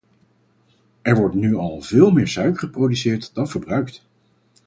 Er wordt nu al veel meer suiker geproduceerd dan verbruikt.